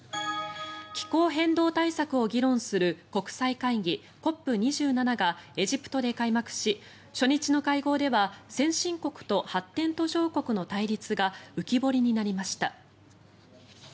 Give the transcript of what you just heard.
気候変動対策を議論する国際会議、ＣＯＰ２７がエジプトで開幕し初日の会合では先進国と発展途上国の対立が浮き彫りになりました。